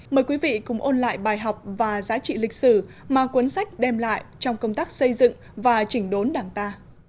mời quý vị cùng ôn lại bài học và giá trị lịch sử mà cuốn sách đem lại trong công tác xây dựng và chỉnh đốn đảng ta